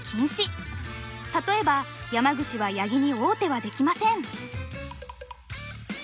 例えば山口は八木に王手はできません。